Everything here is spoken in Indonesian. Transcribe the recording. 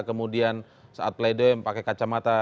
kemudian saat pre doi pakai kacamata